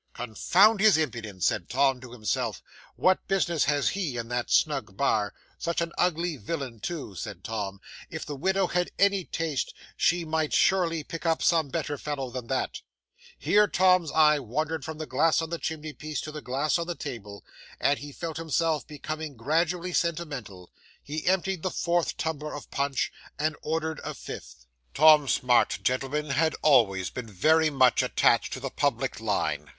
'"Confound his impudence!" said Tom to himself, "what business has he in that snug bar? Such an ugly villain too!" said Tom. "If the widow had any taste, she might surely pick up some better fellow than that." Here Tom's eye wandered from the glass on the chimney piece to the glass on the table; and as he felt himself becoming gradually sentimental, he emptied the fourth tumbler of punch and ordered a fifth. 'Tom Smart, gentlemen, had always been very much attached to the public line.